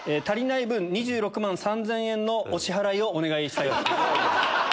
足りない分２６万３０００円のお支払いをお願いしたい。